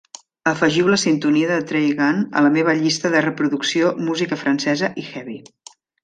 Afegiu la sintonia de Trey Gunn a la meva llista de reproducció Música francesa i Heavy.